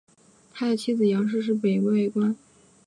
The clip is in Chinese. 他的妻子杨氏是北魏官员杨俭的女儿。